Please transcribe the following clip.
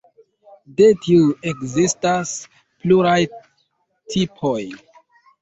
De tiu ekzistas pluraj tipoj.